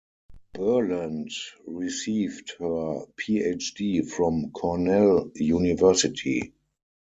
Berlant received her Ph.D. from Cornell University.